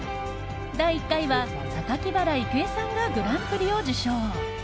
第１回は榊原郁恵さんがグランプリを受賞。